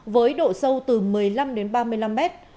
với độ sâu từ một mươi năm đến ba mươi năm mét